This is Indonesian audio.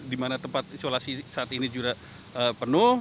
di mana tempat isolasi saat ini juga penuh